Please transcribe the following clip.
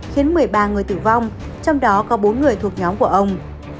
khiến một mươi ba người tử vong trong đó có bốn người thuộc nhóm của ông